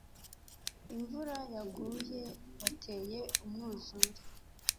imvura yaguye yateye umwuzure